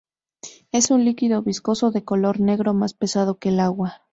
Es un líquido viscoso de color negro, más pesado que el agua.